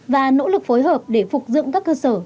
và nỗ lực phối hợp để phục dựng các cơ sở có ý nghĩa quan trọng này